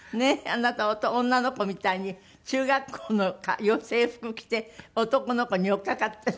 あなた女の子みたいに中学校の制服着て男の子に寄っかかって。